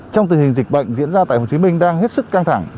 trong tình hình dịch bệnh diễn ra tại hồ chí minh đang hết sức căng thẳng